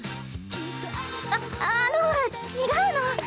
ああの違うの。